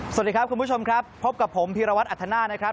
สวัสดีครับคุณผู้ชมครับพบกับผมพีรวัตรอัธนานะครับ